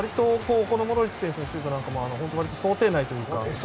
モドリッチ選手のシュートなんかも想定内というか。